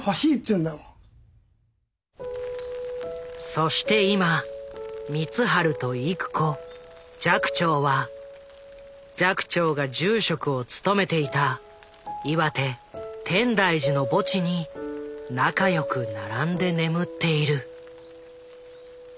そして今光晴と郁子寂聴は寂聴が住職を務めていた岩手・天台寺の墓地に仲良く並んで眠っている。